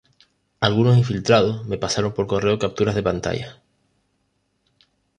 algunos “infiltrados” me pasaron por correo capturas de pantallas